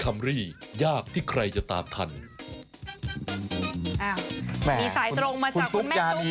คุณตุ๊กยานีนี่ก็ตอบตลอดเลยคุณตุ๊กยานี